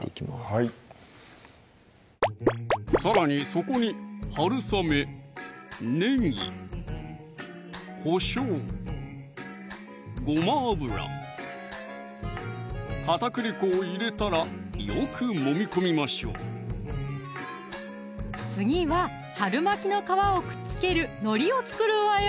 はいさらにそこにはるさめ・ねぎ・こしょう・ごま油・片栗粉を入れたらよくもみ込みましょう次は春巻きの皮をくっつけるのりを作るわよ！